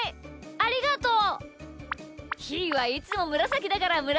ありがとう。